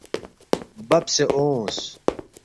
ببسے اونگس